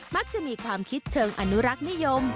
มักจะมีความคิดเชิงอนุรักษ์นิยม